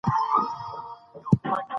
پیاده تګ د خوراک په هضمولو کې مرسته کوي.